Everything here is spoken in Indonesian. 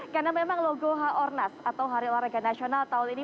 karena memang logo h o r n a s atau hari olahraga nasional tahun ini